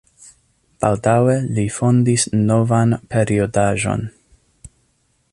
Baldaŭe li fondis novan periodaĵon.